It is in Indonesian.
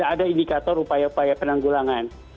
ada indikator upaya upaya penanggulangan